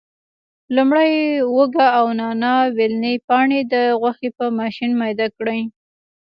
لومړی هوګه او نانا ویلني پاڼې د غوښې په ماشین میده کړي.